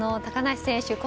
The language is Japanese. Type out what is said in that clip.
高梨選手